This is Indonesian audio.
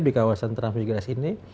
di kawasan transifikasi ini